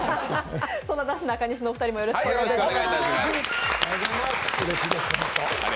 そんななすなかにしのお二人もよろしくお願いします。